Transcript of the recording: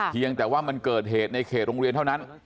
เพียงแต่ว่ามันเกิดเหตุในเขตโรงเรียนเท่านั้น